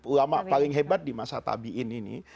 ulama paling hebat di masa tabiin ini